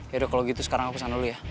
yaudah kalau gitu sekarang aku pesan dulu ya